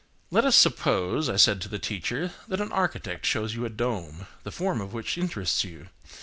Let us suppose, I said to the teacher, that an architect shows you a dome, the form of which interests you.